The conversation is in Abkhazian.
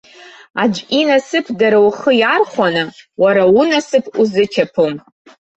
Аӡәы инасыԥдара ухы иархәаны, уара унасыԥ узычаԥом.